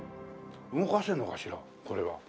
動かせるのかしらこれは。